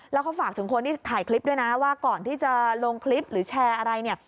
แล้วเขาฝากถึงคนที่ถ่ายคลิปด้วยนะว่าก่อนที่จะลงคลิปหรือแชร์อะไรเนี่ย